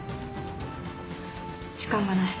時間がない。